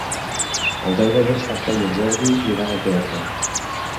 El deu d'agost en Quel i en Jordi iran al teatre.